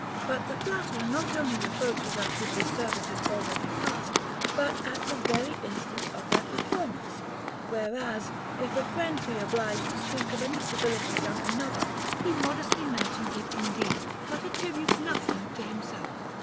But the flatterer not only reproaches us with his services already past, but at the very instant of their performance ; whereas, if a friend be obliged to speak of any civility done another, he modestly mentions it indeed, but attributes nothing to himself.